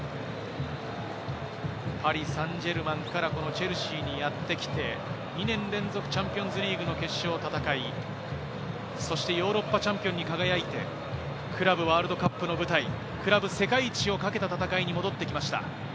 パリ・サンジェルマンからチェルシーにやってきて、２年連続チャンピオンズリーグの決勝を戦い、そしてヨーロッパチャンピオンに輝いて、クラブワールドカップの舞台、クラブ世界一を懸けた戦いに戻ってきました。